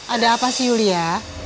ada apa sih yulia